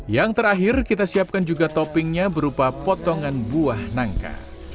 yang terakhir kita siapkan juga toppingnya berupa potongan buah nangka